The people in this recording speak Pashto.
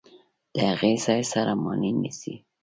د هغې ځای سړه مایع نیسي.